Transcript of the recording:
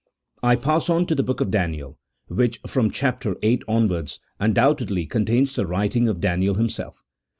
I pass on to the hook of Daniel, which, from chap. viii. onwards, undoubtedly contains the writing of Daniel him self.